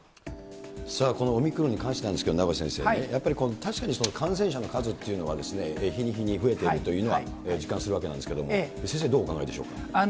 このオミクロンに関してなんですけど、名越先生ね、確かに感染者の数っていうのは日に日に増えているというのは実感するわけなんですけれども、先生、どうお考えでしょうか。